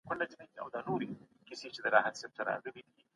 د اجتماعي اصولو په اړه رپورټونه وړاندې کیږي.